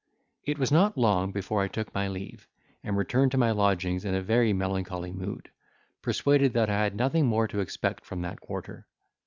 It was not long before I took my leave, and returned to my lodgings in a very melancholy mood, persuaded that I had nothing more to expect from that quarter.